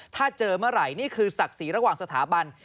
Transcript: ถ้าเจอเมื่อไหร่นี่คือศักดิ์ศรีระหว่างสถาบัน